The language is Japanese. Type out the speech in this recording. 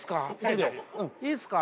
いいですか？